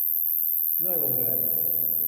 เลื่อยวงเดือน